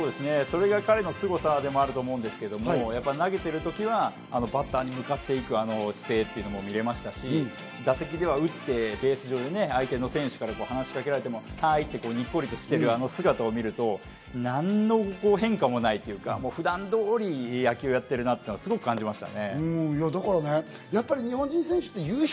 それが彼のすごさでもあると思うんですけど、投げているときはバッターに向かっていく姿勢というのも見られましたし、打席では打って、ベース上で相手の選手から話し掛けられても「ハイ！」とニッコリして応えている、何の変化もないというか普段通り野球をやっているなというのをすごく感じました。